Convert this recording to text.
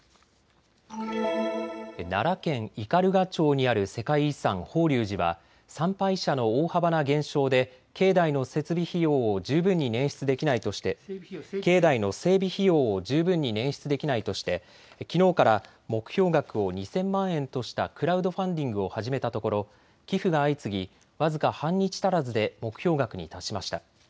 奈良県斑鳩町にある世界遺産、法隆寺は参拝者の大幅な減少で境内の設備費用を十分に境内の整備費用を十分に捻出できないとして、きのうから目標額を２０００万円としたクラウドファンディングを始めたところ寄付が相次ぎ、僅か半日足らずで目標額に達しました。